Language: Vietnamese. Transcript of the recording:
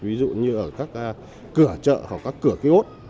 ví dụ như ở các cửa chợ hoặc các cửa ký ốt